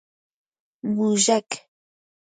🐁 موږک